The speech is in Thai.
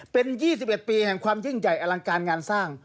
เป็น๒๑ปีแห่งความยิ่งใหญ่อลังการงานสร้าง